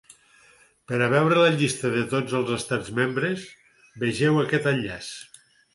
Per a veure la llista de tots els estats membres vegeu aquest enllaç.